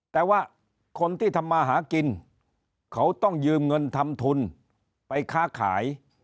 แต่ว่าคนที่ทำมาหากินเขาต้องยืมเงินทำทุนไปค้าขาย